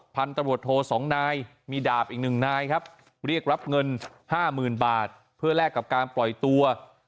พันตำรวจโทษ๒นายมีดาบอีก๑นายเรียกรับเงิน๕๐๐๐๐บาทเพื่อแลกกับการปล่อยตัว